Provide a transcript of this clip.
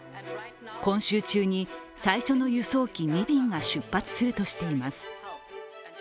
今週中に最初の輸送機２便が出発するとしています。